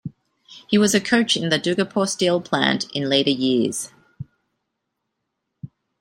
He was a coach in the Durgapur steel plant in the later years.